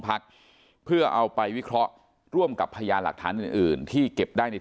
พักเพื่อเอาไปวิเคราะห์ร่วมกับพยานหลักฐานอื่นอื่นที่เก็บได้ใน